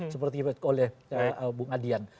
seperti yang dikatakan oleh bung adian